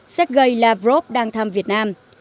sergei lavrov đang thăm việt nam